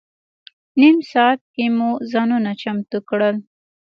نیم ساعت کې مو ځانونه چمتو کړل.